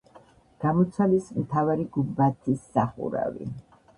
გამოცვალეს მთავარი გუმბათის სახურავი.